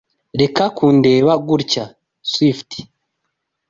Reka kundeba gutya. (Swift)